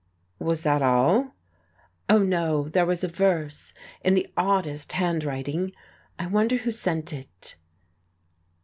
"Was that all?" "Oh, no, there was a verse, in the oddest handwriting. I wonder who sent it?"